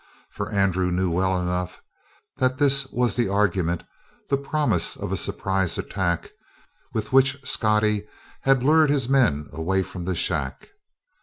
For Andrew knew well enough that this was the argument the promise of a surprise attack with which Scottie had lured his men away from the shack.